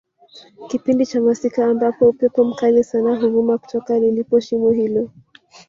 kipindi cha masika ambapo upepo mkali sana huvuma kutoka lilipo shimo hilo